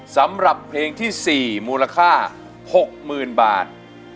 สำหรับเพลงที่๔มูลค่า๖๐๐๐บาท